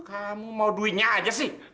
kamu mau duitnya aja sih